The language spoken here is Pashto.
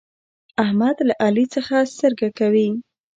احمد له علي څخه سترګه کوي.